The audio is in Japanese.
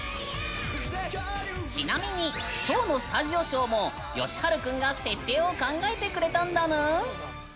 ちなみに今日のスタジオショーもよしはる君が設定を考えてくれたんだぬん。